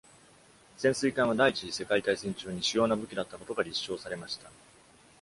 潜水艦は、第一次世界大戦中に主要な武器だったことが立証されました。